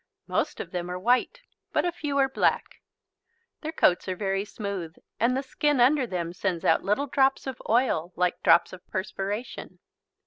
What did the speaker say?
Most of them are white but a few are black. Their coats are very smooth, and the skin under them sends out little drops of oil like drops of perspiration.